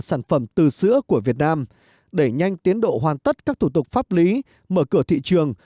sản phẩm từ sữa của việt nam đẩy nhanh tiến độ hoàn tất các thủ tục pháp lý mở cửa thị trường